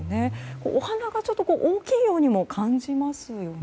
お花がちょっと大きいようにも感じますよね。